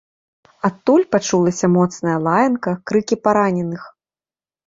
Адтуль пачулася моцная лаянка, крыкі параненых.